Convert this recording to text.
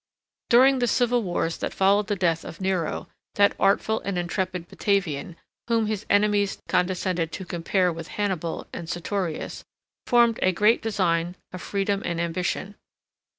74 During the civil wars that followed the death of Nero, that artful and intrepid Batavian, whom his enemies condescended to compare with Hannibal and Sertorius, 75 formed a great design of freedom and ambition.